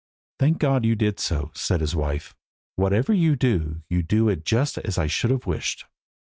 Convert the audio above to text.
"Thank God you did so," said his wife; "whatever you do you do it just as I should have wished.